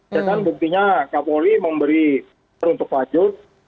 ya kan buktinya kapoli memberi peruntuk wajud